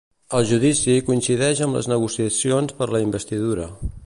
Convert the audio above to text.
El judici coincideix amb les negociacions per la investidura.